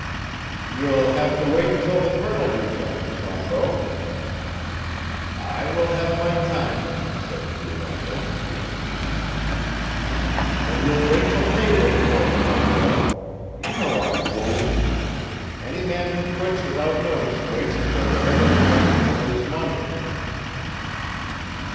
"You'll have to wait until the Colonel returns, Rondeau." "I will have my time," said Jules Rondeau patiently. "Then you'll wait till pay day for it, Rondeau. You know our rules. Any man who quits without notice waits until the regular pay day for his money."